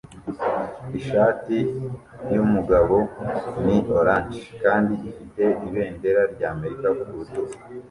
Ishati yumugabo ni orange kandi ifite ibendera rya Amerika ku rutugu